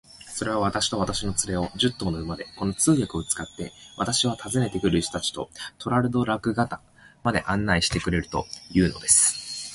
それは、私と私の連れを、十頭の馬で、この通訳を使って、私は訪ねて来る人たちとトラルドラグダカまで案内してくれるというのです。